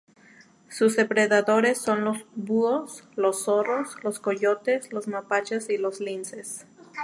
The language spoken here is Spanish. Sus depredadores son los búhos, los zorros, los coyotes, los mapaches y los linces.